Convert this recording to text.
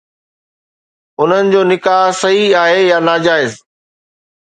انهن جو نڪاح صحيح آهي يا ناجائز؟